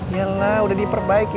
yalah udah diperbaiki